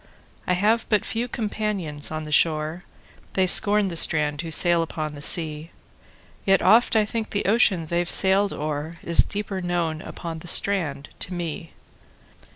I have but few companions on the shore:They scorn the strand who sail upon the sea; Yet oft I think the ocean they've sailed o'erIs deeper known upon the strand to me.